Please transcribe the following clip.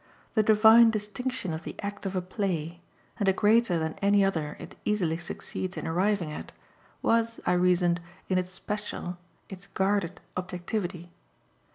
The divine distinction of the act of a play and a greater than any other it easily succeeds in arriving at was, I reasoned, in its special, its guarded objectivity.